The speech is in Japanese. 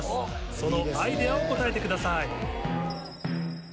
そのアイデアを答えてください。